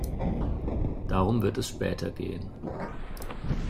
Darum wird es später gehen.